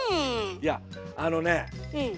いやあのね。